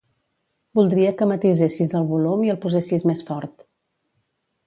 Voldria que matisessis el volum i el posessis més fort.